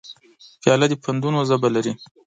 پیاله د پندونو ژبه لري.